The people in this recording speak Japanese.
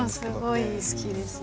すごい好きですね。